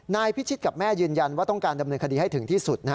นายพิชิตกับแม่ยืนยันว่าต้องการดำเนินคดีให้ถึงที่สุด